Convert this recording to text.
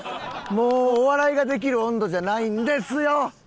もうお笑いができる温度じゃないんですよ！